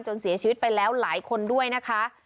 เสียชีวิตไปแล้วหลายคนด้วยนะคะ